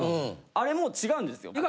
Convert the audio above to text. あれも違うんですよ。